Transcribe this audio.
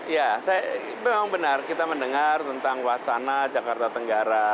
ya saya memang benar kita mendengar tentang wacana jakarta tenggara